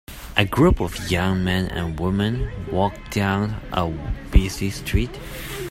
A group of young men and women walk down a busy street.